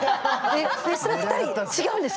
それ２人違うんですか？